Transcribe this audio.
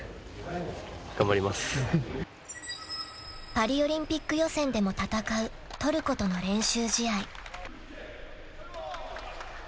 ［パリオリンピック予選でも戦うトルコとの練習試合］